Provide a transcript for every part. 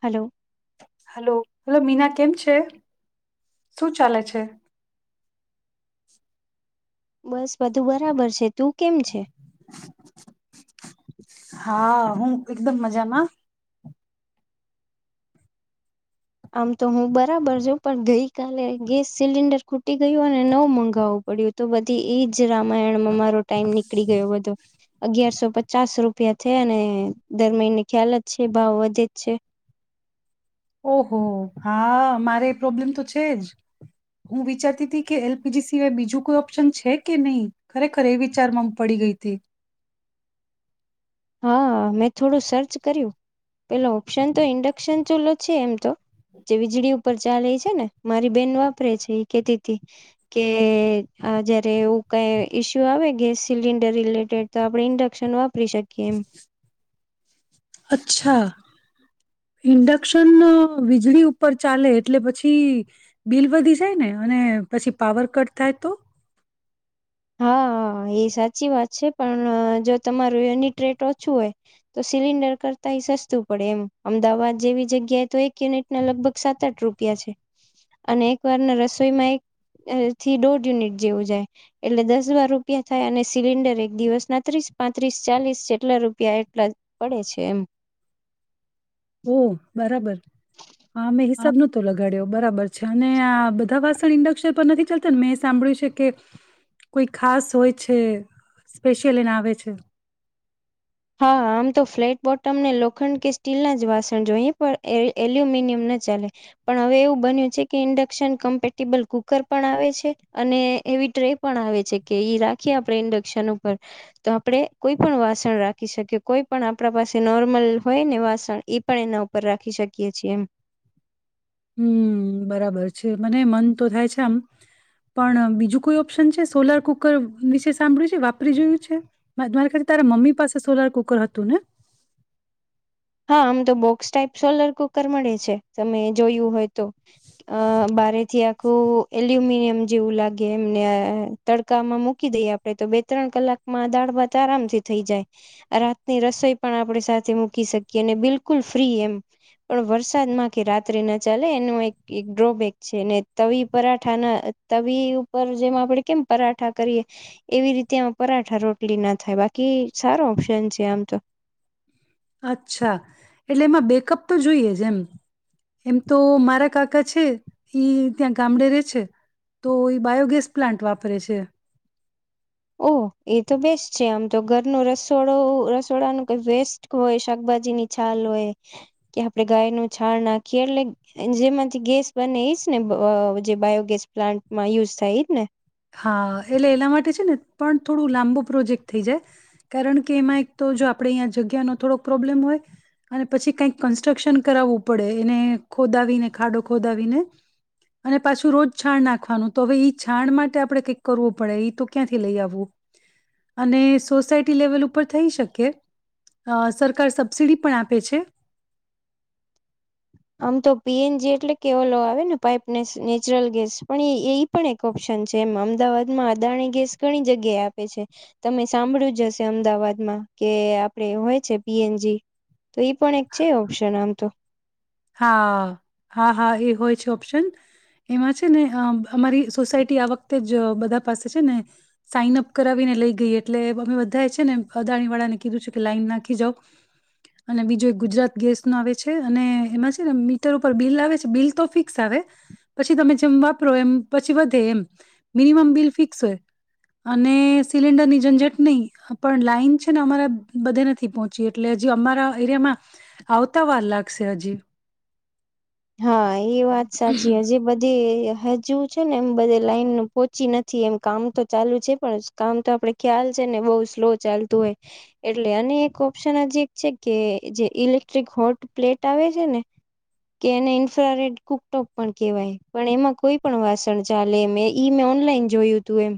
Hello. Hello hello Meena કેમ છે? શું ચાલે છે? બસ બધું બરાબર છે. તું કેમ છે? હા હું એકદમ મજામાં. આમ તો હું બરાબર છ પણ ગઈ કલે ગેસ સિલિન્ડર ખૂટી ગયું અને નવ મંગાવવું પડ્યું તો બધી એજ રામાયણમાં મારો ટાઈમ નીકળી ગયો બધો અગયારસો પચાસ રૂપ પિયા થયા ને દર મહિનની ખ્યાલ જ છે ભાવ વધે જ છે. ઓહો હા મારે એ પ્રોબ્લેમ તો છે જ હું વિચારતી હતી કે એલપીજી સિવાય બીજું કોઈ ઓપ્શન છે કે નહી ખરેખર એ વિચારમાં હ પડી ગઈ હતી. હા મેં થોડું સર્ચ કર્યું પેલો ઓપ્શન તો ઇન્ડક્શન ચૂલો છે એમ તો જે વીજળી ઉપર ચાલે છે ને મારી બેન વાપરે છે એ કેતીથી કે જયારે એવું કઈ ઈસ્યુ આવે ગેસ સિલિન્ડર રિલેટેડ તો આપણે ઇન્ડક્શન વાપરી શક કેમ. અચ્છા ઇન્ડક્શન વીજળી ઉપર ચાલે એટલે પછી બિલ વધી જાય ને અને પછી પાવર કટ થાય તો? હા એ સાચી વાત છે પણ જો તમારું યુનિટ રેટ ઓછું હોય તો સિલિન્ડર કરતા એ સસ્તું પડે એમ અમદાવાદ જેવી જગ્યાએ તો એક યુનિટ ના લગભગ સાત આઠ રૂપિયા છે, અને એક વારના રસોઈમાં એક અહ થી દોઢ યુનિટ જેવું જાય. એટલે દસ બાર રૂપિયા થાય અને સિલિન્ડર એક દિવસના ત્રીસ પાંત્રીસ ચાલીસ જેટલા રૂપિયા એટલા પડે છે એમ. ઓ બરાબર હા મે હા હિસાબ નો તો લગ કર્યો બરાબર છે અને આ બધા વાસણ ઈન્ડક્શન પર તો નથી ચલતાં ને મેં સાંભળ્યું છે કે કોઈ ખાસ હોય છે સ્પેશિયલ એના આવે છે? હા આમ તો ફ્લેટ બોટમ ને લોખંડ કે સ્ટીલના જ વાસણ જોઈએ પણ એલ એલ્યુમિનિયમ ના ચાલે, પણ હવે એવું બન્યું છે કે ઇન્ડક્શન કમ્પેટિબલ કુકર પણ આવે છે, અને એવી ટ્રે પણ આવે છે કે ઈ રાખીએ આપણે ઇન્ડક્શન ઉપર, તો આપણે કોઈ પણ વાસણ રાખ રાખી શકીએ કોઈ પણ આપણા પાસે નોર્મલ હોય ને વાસણ ઈ પણ એના ઉપર રાખી શકીએ છીએ એમ. હમ્મ બરાબર છે મને મન તો થાય છે આમ, પણ બીજું કોઈ ઓપ્શન છે સોલાર કુકર વિશે સાંભળ્યું છે વાપરી જોયું છે, મા મારા કરતા તારા મમ્મી પાસે સોલાર કુકર હતું ને? હા આમ તો બોક્સ ટાઈપ સોલાર કુકર મળે છે તમે જોયું હોય તો, અહ બારે થી આખું એલ્યુમિનિયમ જેવું લાગે એમને તડકામાં મૂકી દઈએ આપણે તો બે ત્રણ કલાકમાં દાળ ભાત આરામથી થઈ જાય, રાતની રસોઈ પણ આપણે સાથે મૂકી શક કે એને બિલકુલ ફ્રી એમ, પણ વરસાદમાં કે રાત્રે ના ચાલે એનું એક ઈ ડ્રોબેક છે એને તવી પરાઠા ના તવી ઉપર જેમ આપણેે કેમ પરાઠા કરીએ, એવી રીતે એમાં પરાઠા રોટલી ના થાય બાકી સારો ઓપ્શન છે આમ તો. અચ્છા, એટલે એમાં બેકઅપ તો જોઈએ જ એમ, એમ તો મારા કાકા છે ઈ ત્યાં ગામડે રે છે તો એ બાયોગેસ પ્લાન્ટ વાપરે છે. ઓહ એ તો બેસ્ટ છે આમ તો ઘરનું રસોડો રસોડાનું કંઈ વેસ્ટ હોય શાકભાજીની છાલ હોય, કે આપણે ગાય નું છાણ નાખીએ એટલે જેમાંથી ગેસ બને ઈ જ ને અહ જે બાયોગેસ પ્લાન્ટમાં યુઝ થાય ઈ જ ને? હા એટલે એના માટે છે ને પણ થોડું લાંબો પ્રોજેક્ટ થઈ જાય, કારણ કે એમાં એક તો જો આપણેે અહીંયા જગ્યાનો થોડોક પ્રોબ્લેમ હોય, અને પછી કંઈક કન્સ્ટ્રક્શન કરાવવું પડે એને ખોદાવીને ખાડો ખોદાવીને, અને પાછું રોજ છાણ નાખવાનું તો હવે ઈ છાણ માટે આપણે કંઈક કરવું પડે ઈ તો ક્યાંથી લઈ આવું, અને સોસાયટી લેવલ ઉપર થઈ શકે, સરકાર સબસડી પણ આપે છે. આમ તો પી એન જી એટલે કે ઓલો આવે ને પાઈપ નેસ નેચરલ ગેસ, પણ ઈ ઈ પણ એક ઓપ્શન છે એમ અમદાવાદમાં અદાણી ગેસ ઘણી જગ્યાએ આપે છે, તમે સાંભળ્યું જ હશે અમદાવાદમાં કે આપણે હોય છે પી એન જી. તો ઈ પણ એક છે ઓપ્શન આમ તો. હા હા હા એ હોય છે ઓપ્શન, એમાં છે ને અહ અમારી સોસાયટી આ વખતે જ બધા પાસે છે ને, સાઈનઅપ કરાવીને લઈ ગઈ એટલે અમે બધાએ છે ને અદાણી વાળાને કીધું છે કે લાઈન નાખી જાવ, અને બીજું ગુજરાત ગેસનો આવે છે અને એમાં છે ને મીટર ઉપર બિલ આવે છે બિલ તો ફિક્સ આવે, પછી તમે જેમ વાપરો એમ પછી વધે એમ, મિનિમમ બિલ ફિક્સ હોય, અને સિલિન્ડરની ઝંઝટ નહીં હા પણ લાઇન છે ને અમારા બધે નથી પહોંચી, એટલે હજી અમારા એરિયામાં આવતા વાર લાગશે હજી. હા એ વાત સાચી હજી બધી હજુ છે ને એમ બધે લાઈનું પહોંચી નથી એમ કામ તો ચાલુ છે પણ કામ તો આપણ ખ્યાલ છે ને બહું સ્લો ચાલતું હોય, એટલે અને એક ઓપ્શન હજી એક છે કે જે ઇલેક્ટ્રિક હોટ પ્લેટ આવે છે ને. કે એને ઇન્ફ્રારેેડ કુકટોપ પણ કહેવાય પણ એમાં કોઈ પણ વાસણ ચાલે એમ ઈ મે ઓનલાઈન જોયું તું એમ,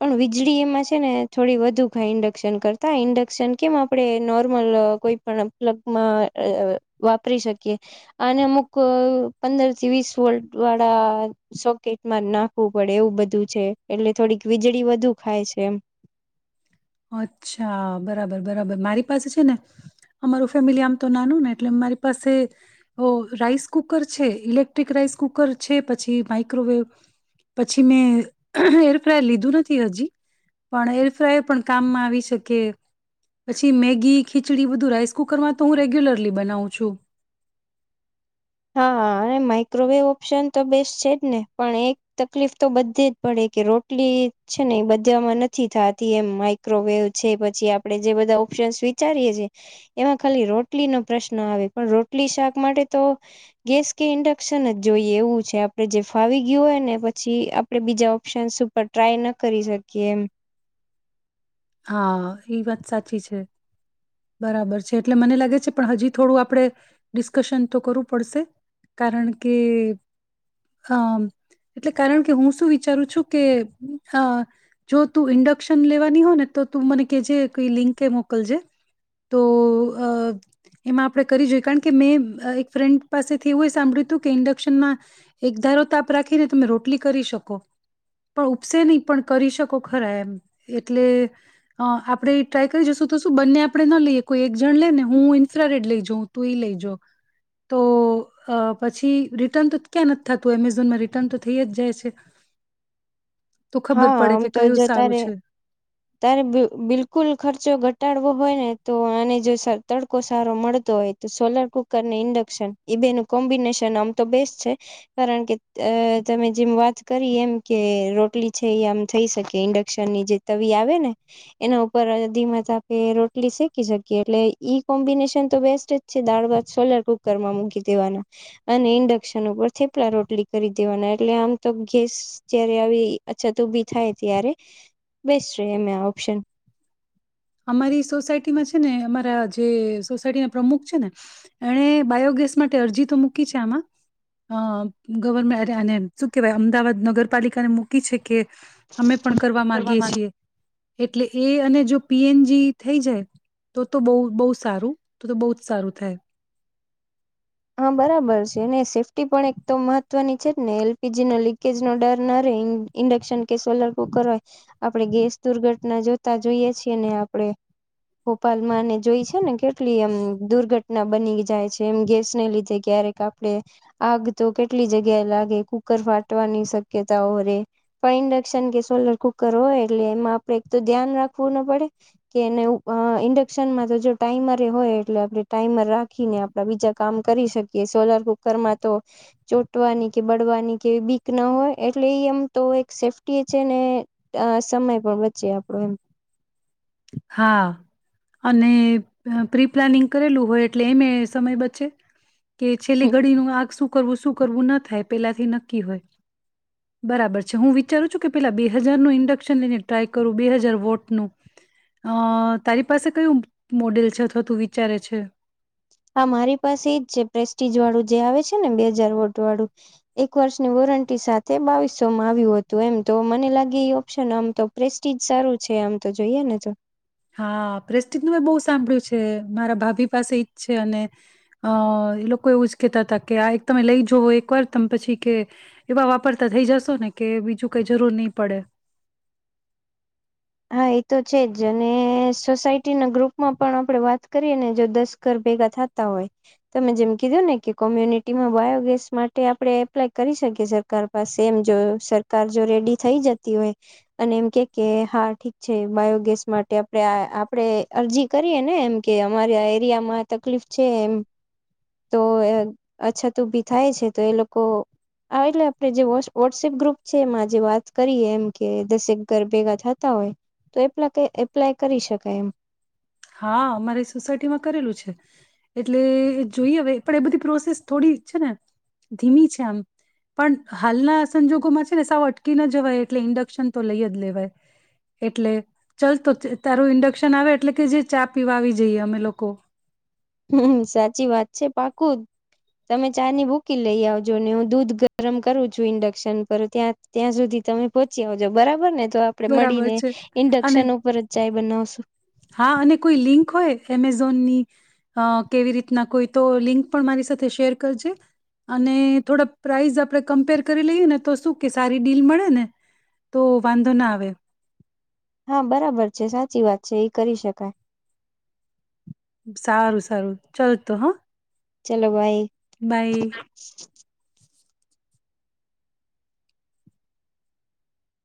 પણ વીજળી એમાં છે ને થોડી વધુ ખાય ઇન્ડક્શન કરતા ઇન્ડક્શન કેમ આપણે નોર્મલ કોઈ પણ પ્લગમાં અહ વાપરી શકીએ. આને અમુક પંદર થી વીસ વોલ્ટ વાળા સોકેટમાં નાખવું પડે એવું બધું છે એટલે થોડીક વીજળી વધુ ખાય છે એમ. અચ્છા બરાબર બરાબર મારી પાસે છે ને, અમારું ફેમિલી આમ તો નાનું ને એટલે અમારી પાસે, ઓ રાઈસ કુકર છે ઇલેક્ટ્રિક રાઈસ કુકર છે પછી માઈક્રોવેવ પછી મેં એરફ્રાય લીધું નથી હજી, પણ એરફ્રાય પણ કામ મા આવી શકે, પછી મેગી ખીચડી બધું રાઈસ કુકરમાં તો હું રેગ્યુલરલી બનાવું છું. હા અને માઈક્રોવેવ ઓપ્શન તો બેસ્ટ છે જ ને પણ એક તકલીફ તો બધે જ પડે કે રોટલી છે ને એ બધામાં નથી થાતી એમ માઈક્રોવેવ છે પછી આપણે જે બધા ઓપ્શન વિચારીએ છીએ, એમાં ખાલી રોટલી નો પ્રશ્ન આવે પણ રોટલી શાક માટે તો ગેસ કે ઇન્ડક્શન જ જોઈએ એવું છે આપણે જે ફાવી ગયું હોય ને પછી આપણે બીજા ઓપ્શન્સ ઉપર ટ્રાય ન કરી શકીએ એમ. હા એ વાત સાચી છે, બરાબર છે એટલે મને લાગે છે પણ હજી થોડું આપણે ડિસ્કશન તો કરવું પડશે, કારણ કે અમ એટલે કારણ કે હું શું વિચારું છું કે હા જો તું ઇન્ડક્શન લેવાની હોય ને તો તું મને કહેજે કંઈ લિંકએ મોકલજે, તો અહ એમાં આપણે કરી જોઈએ કારણ કે મેં એક ફ્રેન્ડ પાસેથી એવું સાંભળ્યું હતું કે ઇન્ડક્શનમાં એક ધારો તાપ રાખીને તમે રોટલી કરી શકો, પણ ઉપસે નહીં પણ કરી શકો ખરા એમ. એટલે અહ આપણે ઈ ટ્રાય કરી જોઈશું તો શું બંને આપણે ન લઈએ કોઈ એક જણ લે ને હું ઇન્ફ્રારેડ લઈ જોઉં તું ઈ લઈ જો. તો અહ પછી રિટર્ન તો ક્યાં નથ થાતું એમેઝોનમાં રિટર્ન તો થઈ જ જાય છે. તો ખબર હા પડે આમ કે તો કયું જો સારું તારે છે તારે બ બિલકુલ ખર્ચો ઘટાડવો હોય ને તો આને જો સ તડકો સારો મળતો હોય, તો સોલાર કુકર ને ઇન્ડક્શન ઈ બે નો કોમ્બિનેશન આમ તો બેસ્ટ છે, કારણ કે અહ તમે જેમ વાત કરી એમ કે રોટલી છે ઈ આમ થઈ શકે ઇન્ડક્શન ની જે તવી આવે ને એના ઉપર ધીમા તાપે રોટલી શેકી શકીએ એટલે ઈ કોમ્બિનેશન તો બેસ્ટ જ છે. દાળ-ભાત સોલાર કુકરમાં મૂકી દેવાના અને ઇન્ડક્શન ઉપર થેપલા રોટલી કરી દેવાના એટલે આમ તો ગેસ જયારે આવી અછત ઉભી થાય ત્યારે બેસ્ટ રહે એમ આ ઓપ્શન. અમારી સોસાયટીમાં છે ને અમારા જે સોસાયટી ના પ્રમુખ છે ને એણે બાયોગેસ માટે અરજી તો મૂકી છે આમાં અહ ગવરમહેર આને શું કહેવાય અમદાવાદ નગરપાલિકાને મૂકી છે કે અમે પણ કરવા માંગીએ છીએ એટલે એ અને જો પી એન જી થઈ જાય તો તો બહું બહું સારું તો તો બહુ જ સારું થાય. હા બરાબર છે, અને સેફ્ટી પણ એક તો મહત્વની છે જ ને. એલ પી જી ના લીકેજ નો ડર ના રહેે ઇન્ડક્શન કે સોલાર કુકર હોય આપણે ગેસ દુર્ઘટના જોતા જોઈએ છીએ ને આપણેે ભોપાલમાંને જોઈ છે ને કેટલી એમ દુર્ઘટના બની જાય છે એમ ગેસ ને લીધે ક્યારેક આપણે આગ તો કેટલી જગ્યાએ લાગે, કુકર ફાટવાની શક્યતાઓ રે, પણ ઇન્ડક્શન કે સોલાર કુકર હોય એટલે એમાં આપણે એક તો ધ્યાન રાખવું ન પડે કે એને એવું ઇન્ડક્શનમાં તો જો ટાઈમરે હોય એટલે આપણે ટાઈમર રાખીને આપણા બીજા કામ કરી શકીએ સોલાર કુકરમાં તો ચોટવાની કે બળવાની કે બીક ન હોય એટલે ઈ એમ તો એક સેફ્ટી એ છે ને સમય પણ બચે આપણો એમ. હા અને પ્રી-પ્લાનિંગ કરેલું હોય એટલે એમેય સમય બચે. કે છેલ્લી ઘડીનું આગ શું કરવું શું કરવું ના થાય પેલાથી નક્કી હોય, બરાબર છે. હું વિચારું છું કે પેલા બે હજાર નો ઇન્ડક્શન લઈને ટ્રાય કરું બે હજાર વોટ નું. અહ તારી પાસે કયું મોડેલ છે અથવા તું વિચારે છે? હા મારી પાસે ઈજ છે પ્રેસ્ટીજ વાળું જે આવે છે ને બે હજાર વોટ વાળું, એક વર્ષની વોરંટી સાથે બાવીસસો માં આવ્યું હતું એમ, તો મને લાગે એ ઓપ્શન આમ તો પ્રેસ્ટીજ સારું છે આમ તો જોઈએ ને તો. હા પ્રેસ્ટિત નું મે બહુ સાંભળ્યું છે મારા ભાભી પાસે ઈજ છે, અને અહ ઈ લોકો એવું જ કેતા હતા કે આ એક તમે લઈ જોવો એકવાર તમે પછી કે એવા વાપરતા થઈ જશો ને કે બીજું કઈ જરૂર નહી પડે. હા એ તો છે જ અને સોસાયટીના ગ્રુપમાં પણ આપણે વાત કરીએ ને જો દસ ઘર ભેગા થતા હોય તમે જેમ કીધો ને કે કોમ્યુનિટીમાં બાયોગેસ માટે આપણે એપ્લાય કરી શકીએ સરકાર પાસે એમ જો સરકાર જો રેડી થઈ જતી હોય અને એમ કે કે હા ઠીક છે બાયોગેસ માટે આપણે આ આપણે અરજી કરીએ ને એમ કે અમારા એરિયામાં તકલીફ છે એમ, તો અહ અછત ઉભી થાય છે તો એ લોકો આ એટલે આપણે જે વોટ્સએપ ગ્રુપ છે એમાં જે વાત કરીએ એમ કે દસેક ઘર ભેગા થાત તા હોય તો એપ્લાકે એપ્લાય કરી શકાય એમ. હા અમારે સોસાયટીમાં કરેલું છે એટલે જોઈએ હવે પણ એ બધી પ્રોસેસ થોડી છે ને ધીમી છે આમ પણ હાલના સંજોગોમાં છે ને સાવ અટકી ના જવાય એટલે ઇન્ડક્શન તો લઈ જ લેવાય એટલે ચાલ તો તારું ઇન્ડક્શન આવે એટલે કે જે. ચા પીવા આવી જઈએ અમે લોકો. હમ્મ સાચી વાત છે પાકું તમે ચા ની ભૂકી લઈ આવજો ને હું દૂધ ગરમ કરું છું ઇન્ડક્શન પર ત્યાં ત્યાં સુધી તમે પહોંચી આવજો બરાબર ને. તો આપડે બરાબર મળીને છે અને ઇન્ડક્શન ઉપર જ ચાય બનાવશું હા અને કોઈ લિંક હોય એમેઝોનની અ કેવી રીતના કોઈ તો લિંક પણ મારી સાથે શેર કરજે અને થોડા પ્રાઇસ આપણે કમ્પેર કરી લઈએ ને તો શું કે સારી ડીલ મળે ને તો વાંધો ના આવે. વે. હા બરાબર છે સાચી વાત છે એ કરી શકાય. સારું સારું ચાલ તો હ. ચલો બાય.